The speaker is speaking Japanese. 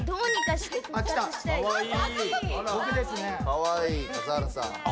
かわいい笠原さん。